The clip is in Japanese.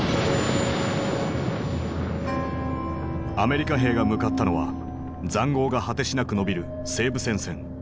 アメリカ兵が向かったのは塹壕が果てしなく延びる西部戦線。